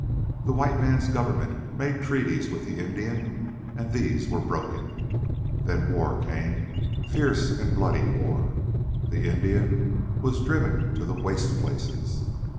The white man's government made treaties with the Indian, and these were broken. Then war came fierce and bloody war. The Indian was driven to the waste places.